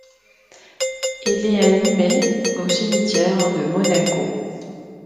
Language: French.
Elle est inhumée au cimetière de Monaco.